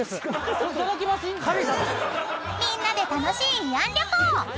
［みんなで楽しい慰安旅行］